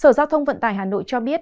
sở giao thông vận tải hà nội cho biết